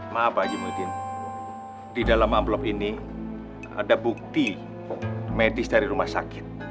maaf pak jamuidin di dalam amplop ini ada bukti medis dari rumah sakit